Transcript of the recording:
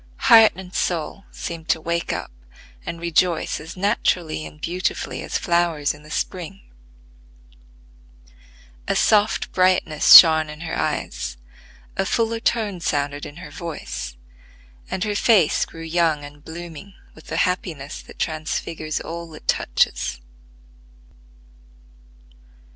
Heart and soul seemed to wake up and rejoice as naturally and beautifully as flowers in the spring. A soft brightness shone in her eyes, a fuller tone sounded in her voice, and her face grew young and blooming with the happiness that transfigures all it touches.